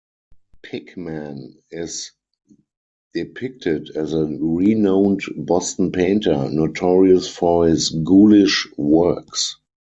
Pickman is depicted as a renowned Boston painter notorious for his ghoulish works.